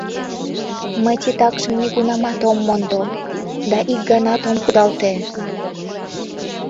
Мый титакшым нигунамат ом мондо да ик ганат ом кудалте.